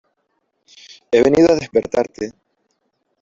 he venido a despertarte .